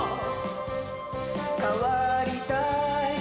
変わりたい？